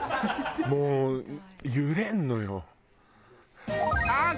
もう揺れんのよ。